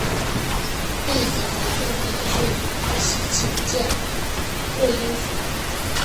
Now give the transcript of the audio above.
例子和更多的讯息请见锐音符。